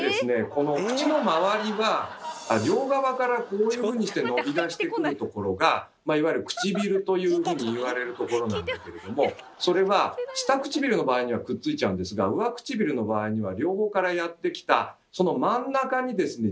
この口の周りは両側からこういうふうにして伸び出してくるところがいわゆるくちびるというふうに言われるところなんだけれどもそれは下唇の場合にはくっついちゃうんですが上唇の場合には両方からやって来たその真ん中にですね